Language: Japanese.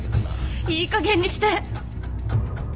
いいかげんにして！